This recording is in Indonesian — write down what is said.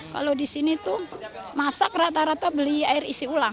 kalau di sini tuh masak rata rata beli air isi ulang